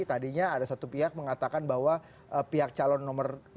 tadinya ada satu pihak mengatakan bahwa pihak calon nomor dua